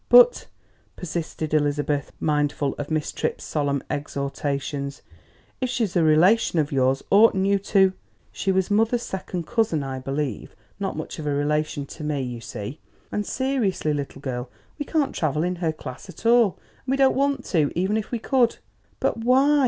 "But," persisted Elizabeth, mindful of Miss Tripp's solemn exhortations, "if she's a relation of yours, oughtn't you to " "She was mother's second cousin, I believe; not much of a relation to me, you see. And seriously, little girl, we can't travel in her class at all; and we don't want to, even if we could." "But why?"